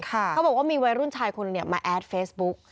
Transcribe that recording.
เขาบอกว่ามีวัยรุ่นชายคนหนึ่งมาแอดเฟซบุ๊ก